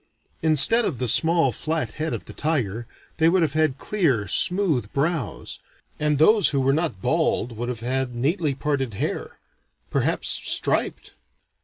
Instead of the small flat head of the tiger, they would have had clear smooth brows; and those who were not bald would have had neatly parted hair perhaps striped.